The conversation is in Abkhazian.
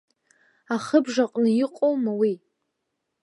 Ахыбжа аҟны иҟоума уи!